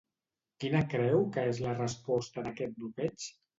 Quina creu que és la resposta d'aquest bloqueig?